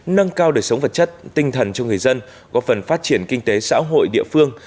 nâng cao đời sống vật chất tinh thần cho người dân góp phần phát triển kinh tế xã hội địa phương